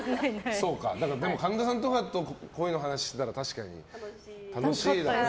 でも神田さんとかと恋の話をしてたら楽しいだろうね。